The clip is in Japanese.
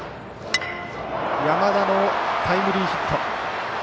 山田のタイムリーヒット。